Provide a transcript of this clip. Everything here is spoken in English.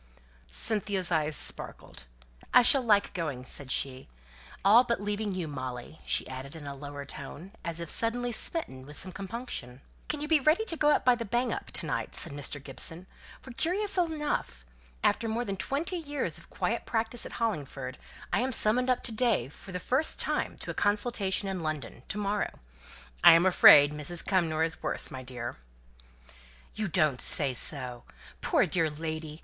Cynthia's eyes sparkled. "I shall like going," said she "all but leaving you, Molly," she added, in a lower tone, as if suddenly smitten with some compunction. "Can you be ready to go by the 'Bang up' to night?" said Mr. Gibson; "for, curiously enough, after more than twenty years of quiet practice at Hollingford, I am summoned up to day for the first time to a consultation in London to morrow. I'm afraid Lady Cumnor is worse, my dear." "You don't say so? Poor dear lady!